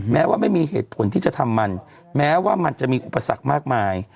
แม้ว่าไม่มีเหตุผลที่จะทำมันแม้ว่ามันจะมีอุปสรรคมากมาย